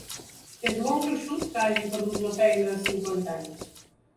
És molt gruixut, que hagi perdut la feina a cinquanta anys!